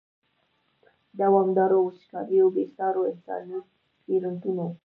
دوامدارو وچکالیو، بې سارو انساني تېروتنو.